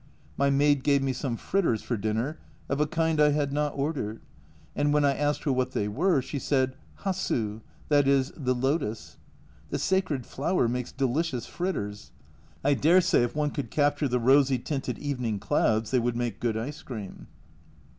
My maid gave me some fritters for dinner, of a kind I had not ordered, and when I asked her what they were, she said hassu, that is, the lotus. The sacred flower makes delicious fritters ! I daresay if one could capture the rosy tinted evening clouds they would make good ice cream.